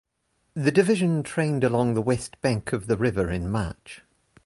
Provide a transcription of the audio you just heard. The division trained along the west bank of the river in March.